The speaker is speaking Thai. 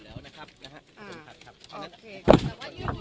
สวัสดี